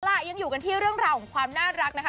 ล่ะยังอยู่กันที่เรื่องราวของความน่ารักนะคะ